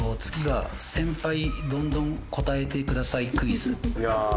次が「先輩どんどん答えてくださいクイズ」。